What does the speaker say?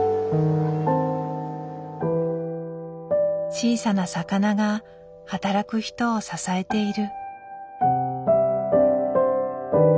小さな魚が働く人を支えている。